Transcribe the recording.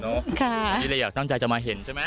หมายความจริงเลยหรือยากตั้งใจจะมาเห็นใช่มั้ย